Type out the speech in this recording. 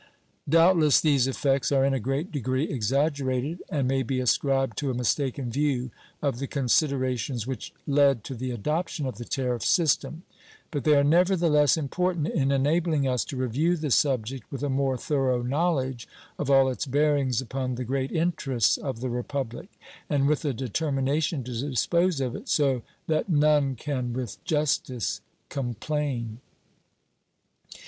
Doubtless these effects are in a great degree exaggerated, and may be ascribed to a mistaken view of the considerations which led to the adoption of the tariff system; but they are never the less important in enabling us to review the subject with a more thorough knowledge of all its bearings upon the great interests of the Republic, and with a determination to dispose of it so that none can with justice complain.